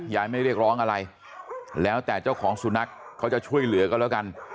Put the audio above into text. ไม่เรียกร้องอะไรแล้วแต่เจ้าของสุนัขเขาจะช่วยเหลือก็แล้วกัน